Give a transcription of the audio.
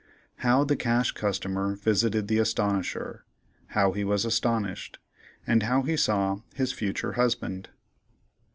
How the Cash Customer visited the "Astonisher"—How he was Astonished—and How he saw his Future Husband.